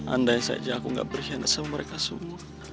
andai saja aku gak berkhianat sama mereka semua